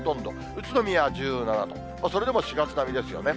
宇都宮１７度、それでも４月並みですよね。